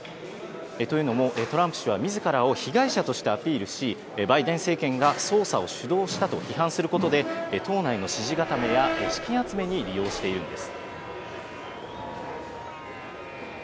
というのもトランプ氏は自らを被害者としてアピールし、バイデン政権が捜査を主導したと批判することで党内の支持固めや資金集めに利用しているんです。